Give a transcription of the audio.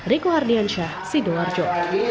riku hardiansyah sidoarjo